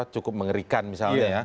cukup mengerikan misalnya ya